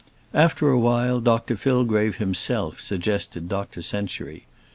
After a while Dr Fillgrave himself suggested Dr Century.